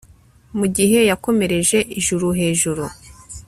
Mu gihe yakomereje ijuru hejuru